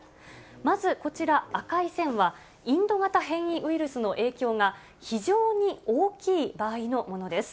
まずこちら、赤い線はインド型変異ウイルスの影響が非常に大きい場合のものです。